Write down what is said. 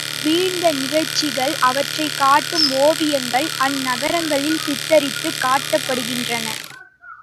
வீழ்ந்த நிகழ்ச்சிகள், அவற்றைக் காட்டும் ஓவியங்கள் அந்நகரங்களில் சித்திரித்துக் காட்டப்படுகின்றன.